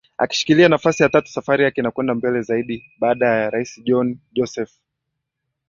akishikilia nafasi ya tatu Safari yake imekwenda mbele zaidi baada ya Rais John Joseph